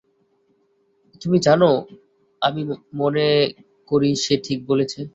তুমি জানো, আমি মনে করি সে ঠিক বলেছে।